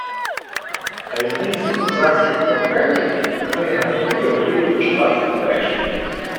Таємниці козацьких портретів - книга, яку я волію почитати увечері